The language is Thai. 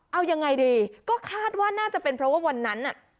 เอายังไงดีก็คาดว่าน่าจะเป็นเพราะว่าวันนั้นน่ะ